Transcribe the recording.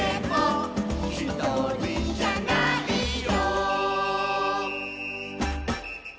「ひとりじゃないよ」